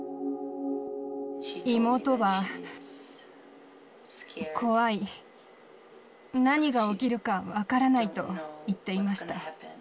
妹は、怖い、何が起きるか分からないと言っていました。